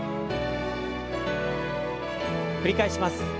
繰り返します。